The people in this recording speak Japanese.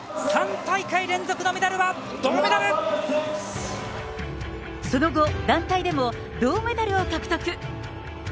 ３大会連続のメダルは、その後、団体でも銅メダルを獲得。